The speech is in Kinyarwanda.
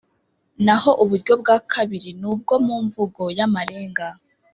naho uburyo bwa kabiri n’ubwo mu mvugo y’amarenga